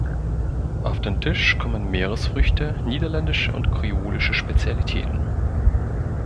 Auf den Tisch kommen Meeresfrüchte, niederländische und kreolische Spezialitäten.